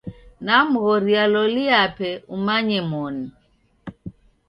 Namghoria loli yape umanye moni.